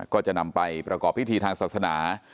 ก็จะนำไปประกอบพิธีทางศาสนา